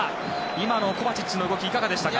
今のコバチッチの動きはいかがでしたか？